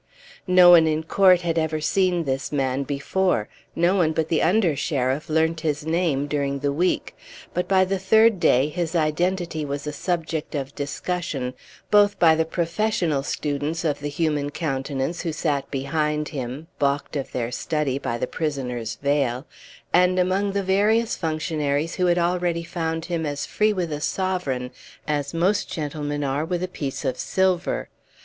No one in court had ever seen this man before; no one but the Under Sheriff learnt his name during the week; but by the third day his identity was a subject of discussion, both by the professional students of the human countenance, who sat behind him (balked of their study by the prisoner's veil), and among the various functionaries who had already found him as free with a sovereign as most gentlemen are with a piece of silver.